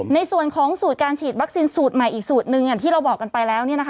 ในส่วนของสูตรการฉีดวัคซีนสูตรใหม่อีกสูตรหนึ่งอย่างที่เราบอกกันไปแล้ว